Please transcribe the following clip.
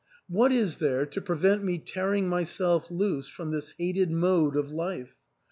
What is there to prevent me tear ing myself loose from this hated mode of life ?